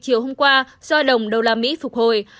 chiều hôm qua do đồng usd phục hồi